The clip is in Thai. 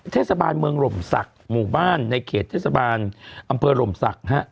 เทศบาลเมืองหล่มศักดิ์หมู่บ้านในเขตเทศบาลอำเภอหล่มศักดิ์ฮะ